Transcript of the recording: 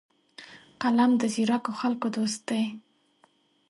قلم د ځیرکو خلکو دوست دی